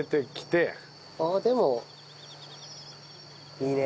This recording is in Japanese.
いいね